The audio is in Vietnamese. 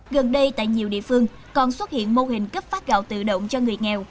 gần đây tại nhiều địa phương còn xuất hiện mô hình cấp phát gạo tự động cho người nghèo